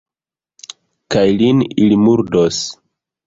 Kaj lin ili murdos!